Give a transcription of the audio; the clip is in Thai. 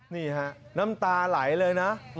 นี่ฮะน้ำตาไหลเลยนะ